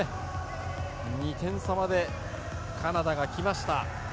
２点差までカナダが来ました。